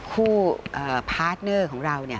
ในคู่พาร์ทเนอร์ของเรา